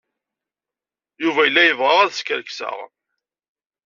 Yuba yella yebɣa ad skerkseɣ.